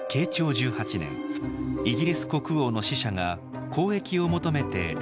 １８年イギリス国王の使者が交易を求めて来日したのです。